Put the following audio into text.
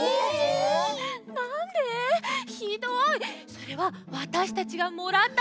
それはわたしたちがもらった